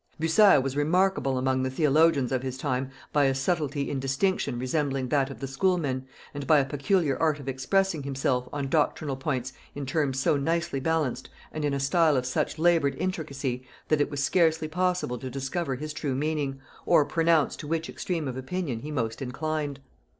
Bucer was remarkable among the theologians of his time by a subtility in distinction resembling that of the schoolmen, and by a peculiar art of expressing himself on doctrinal points in terms so nicely balanced, and in a style of such labored intricacy, that it was scarcely possible to discover his true meaning, or pronounce to which extreme of opinion he most inclined.